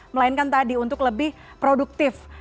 melainkan tadi untuk lebih produktif